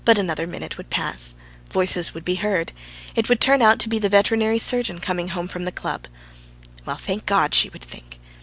But another minute would pass, voices would be heard: it would turn out to be the veterinary surgeon coming home from the club. "Well, thank God!" she would think.